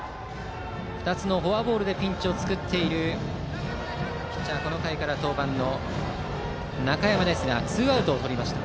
２つのフォアボールでピンチを作ったピッチャーはこの回から登板の中山ですがツーアウトをとりました。